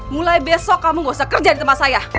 mulai besok kamu gak usah kerja di tempat saya